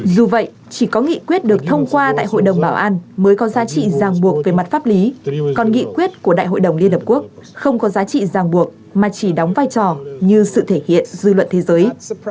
dù vậy chỉ có nghị quyết được thông qua tại hội đồng bảo an mới có giá trị giang buộc về mặt pháp lý còn nghị quyết của đại hội đồng liên hợp quốc không có giá trị giang buộc mà chỉ đóng vai trò như sự thể hiện dư luận thế giới